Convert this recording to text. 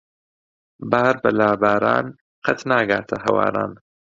بار بە لاباران قەت ناگاتە ھەواران.